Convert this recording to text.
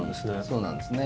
そうなんですね。